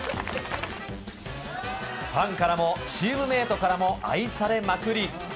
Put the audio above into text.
ファンからもチームメートからも愛されまくり。